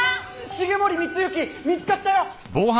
繁森光之見つかったよ！